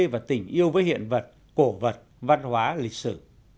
và tình yêu với hiện vật cổ vật văn hóa lịch sử